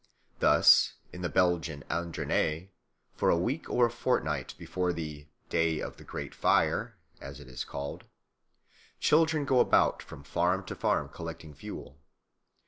Thus in the Belgian Ardennes for a week or a fortnight before the "day of the great fire," as it is called, children go about from farm to farm collecting fuel.